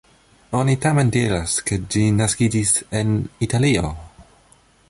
Oni tamen diras ke ĝi naskiĝis en Italio.